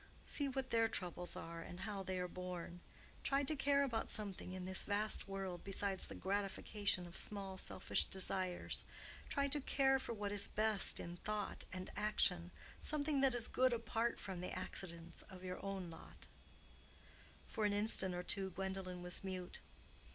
See what their troubles are, and how they are borne. Try to care about something in this vast world besides the gratification of small selfish desires. Try to care for what is best in thought and action—something that is good apart from the accidents of your own lot." For an instant or two Gwendolen was mute.